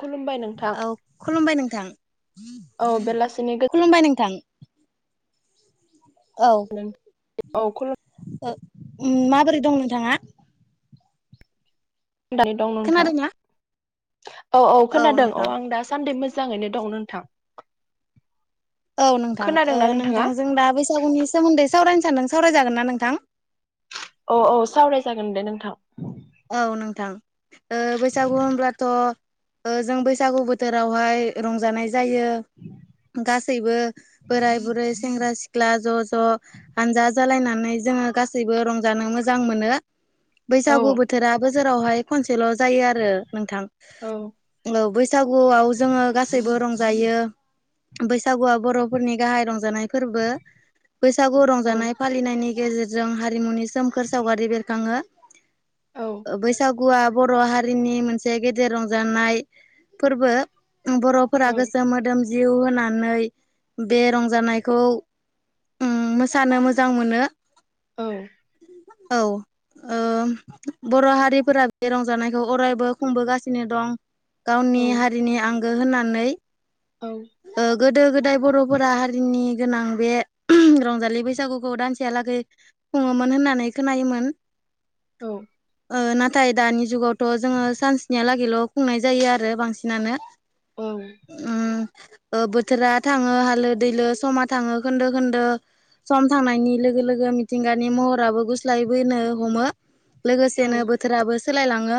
खुलुमबाय नोंथां औ खुलुमबाय नोंथां औ बेलासिनि खुलुमबाय नोंथां। औ गोजोन नों औ माबोरै दं नोंथाङा। दं नोंथां खोनादोंना औ औ खोनादों औ आं दा सानदि मोज मोजाङैनो दं नोंथां। औ नोंथां खोनादोंना नोंथाङा नोंथांजों दा बैसागुनि सोमोन्दै सावरायनो सानदों सावरायजागोन ना नोंथां। औ औ सावराय जागोन दे नोंथां‌। औ नोंथां बैसागु होनब्लाथ' जों बैसागु बोथोरावहाय रंजानाय जायो गासैबो बोराय बुरै सेंग्रा सिख्ला ज' ज' हानजा जालायनानै जोङो गासैबो रंजानो मोजां मोनो। औ बैसागु बोथोराबो जोरावहाय खनसेल' जायो आरो नोंथां। औ औ बैसागुआव जोङो गासैबो रंजायो बैसागुआ बर'फोरनि गाहाइ रंजानाय फोरबो बैसागु औ रंजानाय फालिनायनि गेजेरजों हारिमुनि सोमखोर सावगारि बेरखाङो औ बैसागुआ बर' हारिनि मोनसे गेदेर रंजानाय फोरबो बर' फोरा गोसो मोदोम जिउ होनानै बे रंजानायखौ उम मोसानो मोजां मोनो औ औ ओ बर' हारिफोरा बे रंजानायखौ अरायबो खुंबोगासिनो दं। औ गावनि हारिनि आंगो होननानै औ ओ गोदो गोदाय बर'फोरा हारिनि गोनां बे रंजालि बैसागुखौ दानसे यालागै खुङोमोन होननानै खोनायोमोन औ ओ नाथाय दानि जुगावथ' जोङो सान्सनियालागैल' खुंनाय जायो आरो बांसिनानो ओं। उम ओ बोथोरा थाङो हालो दैलो समा थाङो खोन्दो खोन्दो। सम थांनायनि लोगो लोगो मिथिंगानि महराबो गुस्लाय बोनो हमो। औ लोगोसेनो बोथोराबो सोलायलाङो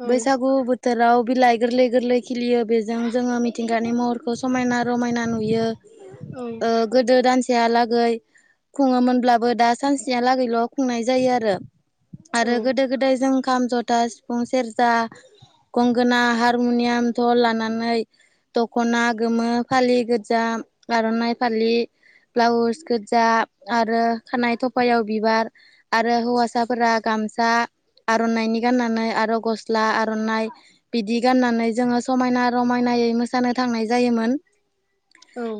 औ बैसागु बोथ थोराव बिलाइ गोरलै गोरलै खिलियो बेजों जोङो मिथिंगानि महरखौ समायना रमायना नुयो। औ ओ गोदो दान से हालागै खुङोमोनब्लाबो दा सानस्नियालागैल' खुंनाय जायो आरो। औ आरो गोदो गोदाय जों खाम, जथा, सिफुं, सेरजा गंगोना, हारमुनियाम, ठल लानानै दख'ना गोमो फालि गोजा आर'नाइ फालि ब्लाउस गोजा आरो खानाइ थफायाव बिबार आरो हौवासा फोरा गामसा आर'नाइनि गाननानै आरो गस्ला आर'नाइ बिदि गाननानै जोङो समायना रमायनायै मोसानो थांनाय जायोमोन।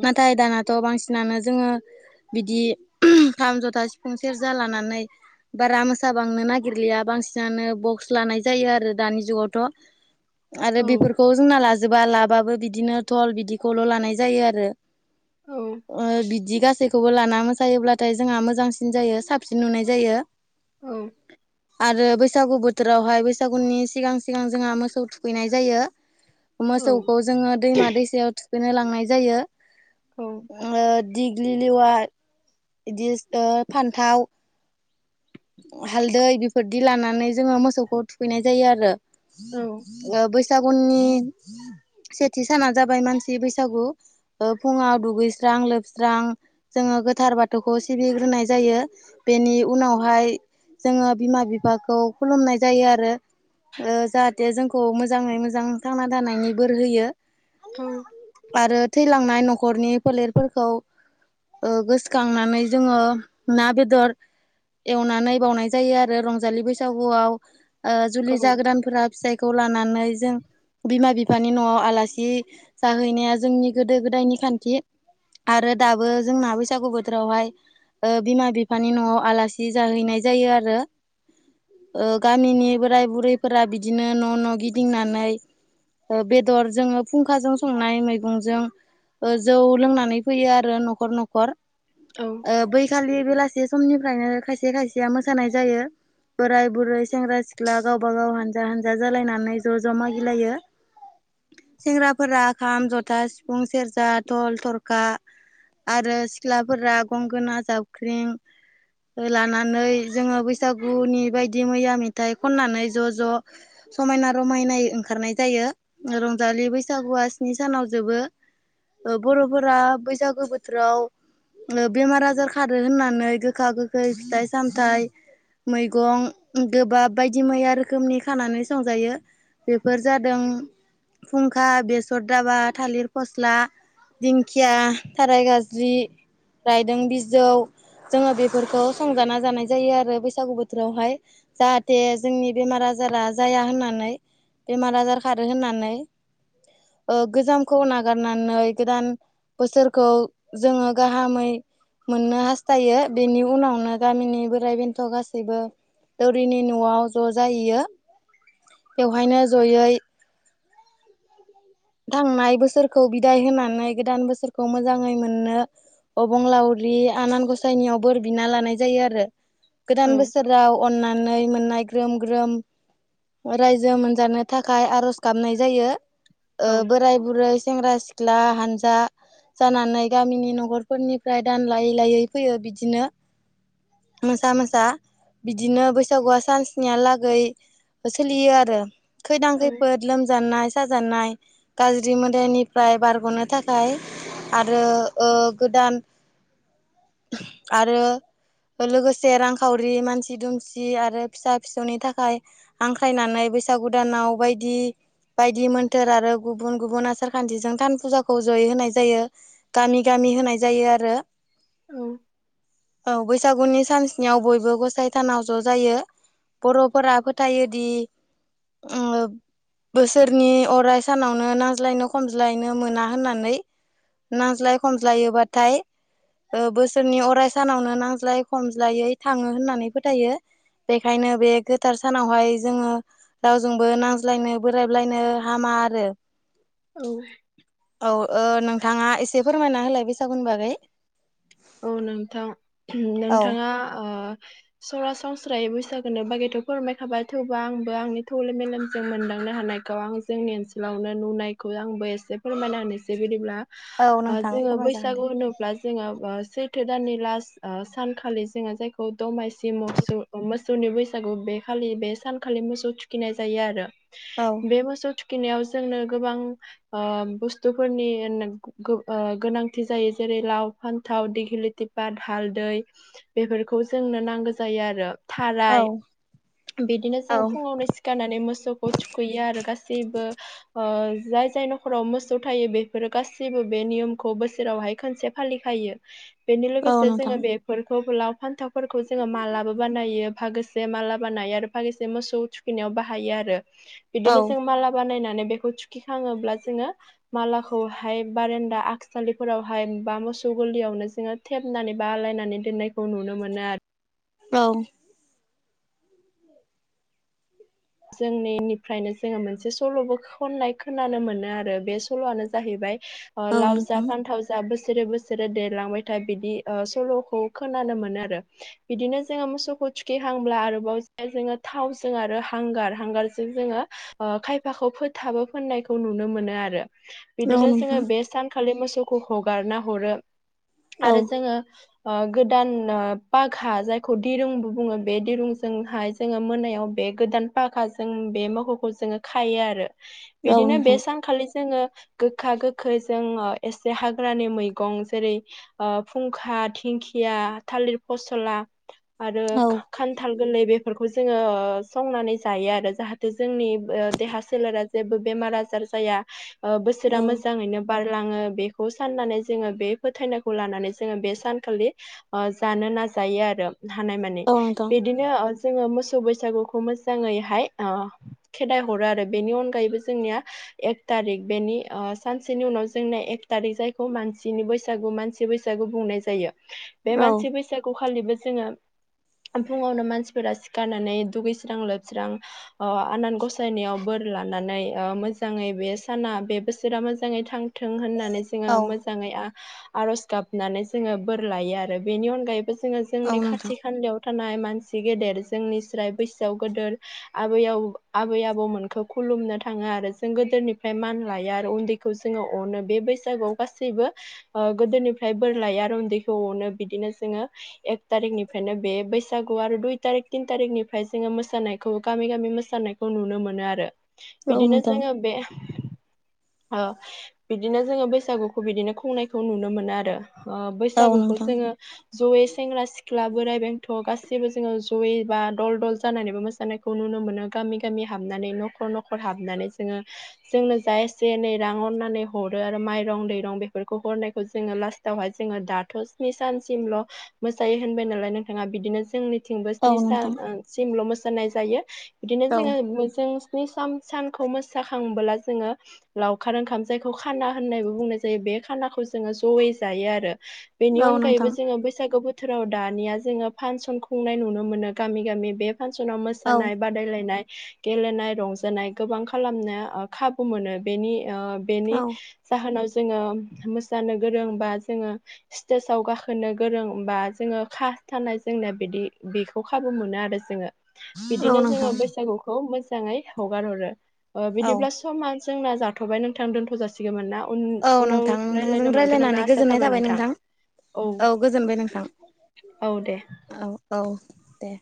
नाथाय दानाथ' बांसिनानो जोङो बिदि खाम, जथा, सिफुं, सेरजा लानानै बारा मोसा साबांनो नागिरलिया बांसिनानो बक्स लानाय जायो आरो दानि जुगावथ'। आरो बेफोरखौ जोंना लाजोबा लाबाबो बिदिनो ठल बिदिखौल' लानाय जायो आरो। औ ओ बिदि गासै खौबो लाना मोसायोब्लाथाय जोंहा मोजांसिन जायो साबसिन नुनाय जायो। औ आरो बैसागु बोथोरावहाय बैसागुनि सिगां सिगां जोंहा मोसौ थुखैनाय जायो। मोसौखौ जोङो दैमा दैसायाव थुखैनो लांनाय जायो। औ ओ दिग्लिलेवा इदि ओ फान्थाव हालदै बेफोरदि लानानै जोङो मोसौखौ थुखैनाय जायो आरो। ओ बैसागुनि सेथि साना जाबाय मानसि बैसागु। ओ फुङाव दुगैस्रां लोबस्रां जोङो गोथार बाथौखौ सिबिग्रोनाय जायो बेनि उनाव हाय जोङो बिमा बिफाखौ खुलुमनाय जायो आरो। ओ जाहाथे जोंखौ मोजाङै मोजां थांना थानायनि बोर होयो। [unintelligible] आरो थैलांनाय न'खरनि फोलेरफोरखौ ओ गोसखांनानै जोङो ना बेदर एवनानै बावनाय जायो आरो रंजालि बैसागुआव ओ जुलि जागोदानफोरा फिसाय खौ लानानै जों बिमा बिफानि न'आव आलासि जाहैनाया जोंनि गोदो गोदायनि खान्थि। आरो दाबो जोंना बैसागु बोथोरावहाय ओ बिमा बिफानि न'आव आलासि सि जाहैनाय जायो आरो। ओ गामिनि बोराय बुरैफोरा बिदिनो न' न' गिदिंनानै ओ बेदर जोङो फुंखाजों संनाय मैगंजों ओ जौ लोंनानै फैयो आरो न'खर न'खर। औ ओ बैखालि बेलासि समनिफ्रायनो खायसे खायसेया मोसानाय जायो। बोराय बुरै सेंग्रा सिख्ला गावबा गाव हानजा हानजा जालायनानै ज' ज' मागिलायो। सेंग्राफोरा खाम, जथा, सिफुं, सेरजा, ठल, थरखा आरो सिख्लाफोरा गंगोना, जाबख्रिं लानानै जोङो बैसागुनि बायदि मैया मेथाइ खननानै ज' ज' समायना रमायनायै ओंखारनाय जायो रंजालि बैसागुआ स्नि सानाव जोबो। ओ बर'फोरा बैसागो बोथोराव ओ बेमार आजार खारो होननानै गोखा गोखै फिथाइ सामथाइ मैगं गोबाब बायदि मैया रोखोमनि खानानै संजायो बेफोर जादों फुंखा बेसर दाबा थालिर फस्ला दिंखिया थाराय गाज्लि रायदों बिजौ जोङो बे फोरखौ संजाना जानाय जायो आरो बैसागु बोथोरावहाय। जाहाथे जोंनि बेमार आजारा जाया होननानै बेमार आजार खारो होननानै ओ गोजामखौ नागारनानै गोदान बोसोरखौ जोङो गाहामै मोननो हास्थायो बेनि उनावनो गामिनि बोराइ बेन्थ' गासैबो दौरिनि न'आव ज' जाहैयो बेवहायनो जयै थांनाय बोसोरखौ बिदाय होनानै गोदान बोसोरखौ मोजाङै मोननो अबंलावरि आनान गसाइनियाव बोर बिना लानाय जायो आरो गोदान बोसोराव अन्नानै मोननाय ग्रोम ग्रोम रायजो मोनजानो थाखाय आरज गाबनाय जायो। ओ बोराय बुरै सेंग्रा सिख्ला हानजा जानानै गामिनि न'खरफोरनिफ्राय दानलायै लायै फैयो बिदिनो मोसा मोसा बिदिनो बैसागुआ सानस्निहालागै सोलियो आरो खैदां खैफोद लोमजानाय साजानाय गाज्रि मोदायनिफ्राय बारग'नो थाखाय आरो ओ गोदान आरो लोगोसे रांखावरि मानसि दुमसि आरो फिसा फिसौनि थाखाय हांख्रायनानै बैसागुदानाव बायदि बायदि मोन थोर आरो गुबुन गुबुन आसार खान्थिजों थान फुजाखौ जयै होनाय जायो। गामि गामि होनाय जायो आरो उम औ बैसागुनि सानस्नियाव बयबो गसाय थानायाव ज' जायो। बर'फोरा फोथायोदि उम बोसोरनि फ्राय सानावनो नांज्लायनो खमज्लायनो मोना होननानै नांज्लाय खमज्लायोबाथाय ओ बोसोरनि अराय सानावनो नांज्लायै खमज्लायै थाङो होननानै फोथायो। बेखायनो बे गोथार सानावहाय जोङो रावजोंबो नांज्लायनो बोराबलायनो हामा आरो उम औ ओ नोंथाङा एसे फोरमायना होलाय बेैसागुुन बागै औ नोंथां औ नोंथाङा ओ सरासनस्रायै बैसागोनि बागैथ' फोरमायखाबाय थेवबो आंबो आंनि थौले मेलेमजों मोनदांनो हानायखौ आं जोंनि ओनसोलावनो नुनायखौ आंबो एसे फोरमायना होनोसै बिदिब्ला औ ओ नोंथां जोङो फोरमायजागोन दे। बैसागु होनोब्ला जोङो ओ सैथो दाननि लास्ट सानखालि जोङो जायखौ दमासि मोसौ मोस सौनि बैसागु बे खालि बे सानखालि मोसौ थुखैनाय जायो आरो औ बे मोसौ थु खैनायाव जोंनो गोबां ओ बुस्थुफोरनि गो ओ गोनांथि जायो जेरै लाव फान्थाव दि ल्गिलिथि फाट हालदै बेफोरखौ जोंनो नांगौ जायो आरो औ थाराय बिदिनो जों औ फुङावनो सि खारनानै मोसौखौ थुखैयो आरो गासैबो ओ जाय जाय न'खराव मोसौ थायो बेफोरो गासैबो बे नियमखौ बोसोरावहाय खोनसे फालिखायो बेनि औ लोगोसे जोङो नोंथां बेफोरखौ लाव फान्थावफोरखौ जोङो मालाबो बानायो फागोसे माला बानायो आरो फागोसे मोसौ थुखैनायाव बाहायो आरो औ बिदिनो जों माला बानायनानै बेखौ थुखिखाङोब्ला जोङो मालाखौहाय बारान्दा आखसालिफोरावहाय बा मोसौ गोलियावनो जोङो थेबनानै बा आलायनानै दोननायखौ नुनो मोनो आरो औ जोंनि निफ्रायनो जोङो मोनसे सल'बो खननाय खोनानो मोनो आरो बे सल'आनो जाहैबाय अ औ लावज नोंथां फानथाव जा बोसोरे बोसोरे देरलांबायथाय बिदि सल'खौ खोनानो मोनो आरो बिदिनो जोङो मोसौखौ थुखिहांब्ला आरोबाव ज जोङो थावजों आरो हांगार हांगारजों जोङो ओ खायफाखौ फोथाबो फोननायखौ नुनो मोनो आरो औ बिदिनो जोङो नोंथां बे सानखालि मोसौखौ हगारना हरो औ आरो जोङो ओ गोदान पागा जायखौ दिरुंबो बुङो बे दिरुंजोंहाय जोङो मोनायाव बे गोदान पागाजों बे मोहौखौ जोङो खायो आरो औ बिदिनो बे नोंथां सानखालि जोङो गोखा गोखै जोङो एसे हाग्रानि मैगं जेरै ओ फुंखा धिंखिया थालिर फसला आरो औ खान्थाल गोरलै बेफोरखौ जोङो ओ संनानै जायो आरो जाहाथे जोंनि देहा सोलेरा जेबो बेमार आजार जाया ओ बोसोरा औ मोजाङैनो बारलाङो बेखौ साननानै जोङो बे फोथायनायखौ लानानै जोङो बे सानखालि ओ जानो नाजायो आरो हानायमानि औ नोंथां बिदिनो जोङो मोसौ बैसागुखौ मो जाङैहाय ओ खेदाइ हरो आरो बेनि अनगायैबो जोंनिया एक थारिख बेनि ओ सानसेनि उनाव जोंना एक थारिख जायखौ मानसिनि बैसागु मान सि बैसागु बुंनाय जायो बे औ मानसि बैसा खौ खालिबो जोङो फुङावनो मानसिफोरा सिखारनानै दुगैस्रां लोबस्रां ओ आनान गसायनायाव बोर लानानै ओ मोजाङै बे साना बे बोसोरा मोजाङै थां थों होननानै जोङो औ मोजाङै आर'ज गाबनानै जोङो बोर लायो आरो बेनि अनगायैबो जोङो औ जोंनि नोंथां खाथि खालायाव थानाय मानसि गेदेर जोंनि स्राय बैसोआव गोदेर आबै आ आबै आबौमोनखौ खुलुमनो थाङो आरो जों गोदोनिफ्राय मान लायो आरो उन्दै खौ जोङो अनो बे बैसागुआव गासैबो ओ गोदोनिफ्राय बोर लायो आरो उन्दैखौ अनो बिदिनो जोङो एक थारिकनिफ्रायनो बे बैसागु आरो दुइ तारिख तिन थारिकनिफ्राय जोङो मोसानाय खौ गामि गामि मोसानायखौ नुनो मोनो आरो औ बिदिनो नोंथां जोङो बे ओ बिदिनो जोङो बैसागुखौ बिदिनो खुंनायखौ नुनो मोनो आरो ओ औ बैसागुखौ नोंथां जोङो जयै सेंग्रा सिख्ला बोराय बेंथ' गासैबो जोङो जयै बा दल दल जानानैबो मो सानायखौ नुनो मोनो गामि गामि हाबनानै न'खर न'खर हाबनानै जोङो जोंनो जा एसे एनै रां अननानै हरो आरो माइरं दैरं बेफोरखौ हरनायखौ जोङो लास [unintelligible] जोङो दाथ' स्नि सानसिमल' मोसायो होनबाय नालाय नोंथाङा बिदिनो जोंनि [unintelligible] बो औ स्नि स नोंथां सिमल' मोसानाय जायो बिदिनो औ जोङो जों स्नि सान सानखौ मोसाखांबोला जोङो लावखार ओंखाम जायखौ खाना होननायबो बुंनाय जायो बे खानाखौ जोङो जयै जायो आरो बेनि औ अनगैबो नोंथां जोङो बैसागो बोथ बोथोराव दानिया जोङो फांसन खुंनाय नुनो मोनो गामि गामि बे फांसनाव औ मोसानाय बा बायनाय गेलेनाय रंजानाय गोबां खालामनो खाबु मोनो बेनि बेनि औ जाहोनाव जोङो मोसानो गोरों बा जोङो स्टेजाव गाखोनो गोरोंबा जोङो खा थानाय जोंनाय बिदि बेखौ खाबु मोनो आरो जोङो औ बिदिनो जोङो नोंथां बैसागुखौ मोजाङै हगार हरो ओ औ बिदिब्ला समा जोंना जाथ'बाय नोंथां दोन्थ'जासि [unintelligible] ना उ औ उनाव नोंथां नोंथांजों रायज्लायनो मोनगोन रायज्लायनानै होनना आसा गोजोननाय थाबाय नोंथां औ गोजोनबाय नोंथां औ दे। औ औ। दे